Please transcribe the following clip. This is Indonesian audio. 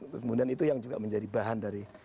kemudian itu yang juga menjadi bahan dari